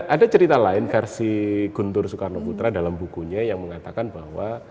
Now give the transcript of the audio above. ada cerita lain versi guntur soekarno putra dalam bukunya yang mengatakan bahwa